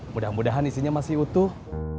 mudah mudahan isinya masih utuh